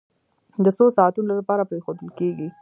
د څو ساعتونو لپاره پرېښودل کېږي.